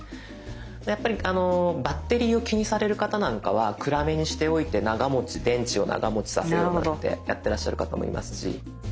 やっぱりバッテリーを気にされる方なんかは暗めにしておいて長持ち電池を長持ちさせようってやってらっしゃる方もいますし。